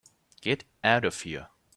Get out of here.